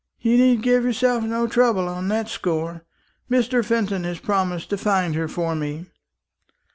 "You need give yourself no trouble on that score. Mr. Fenton has promised to find her for me."